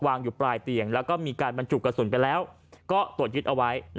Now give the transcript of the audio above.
อยู่ปลายเตียงแล้วก็มีการบรรจุกระสุนไปแล้วก็ตรวจยึดเอาไว้